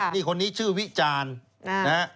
นี่คนนี้ชื่อวิจารณ์